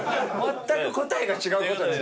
全く答えが違う事に。